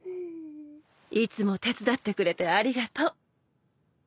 いつも手伝ってくれてありがとう。